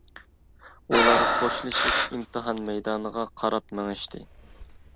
ئۇلار خوشلىشىپ ئىمتىھان مەيدانىغا قاراپ مېڭىشتى.